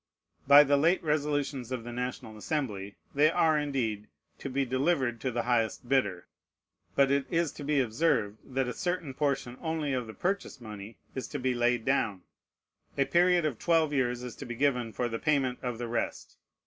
By the late resolutions of the National Assembly, they are, indeed, to be delivered to the highest bidder. But it is to be observed, that a certain portion only of the purchase money is to be laid down. A period of twelve years is to be given for the payment of the rest.